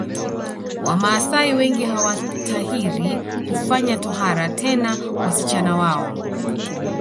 Wamaasai wengi hawatahiri kufanya tohara tena wasichana wao